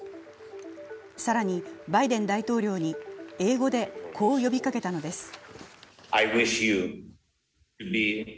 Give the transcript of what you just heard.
更にバイデン大統領に英語で、こう呼びかけたのです。